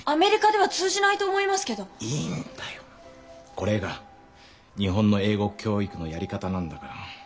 これが日本の英語教育のやり方なんだから。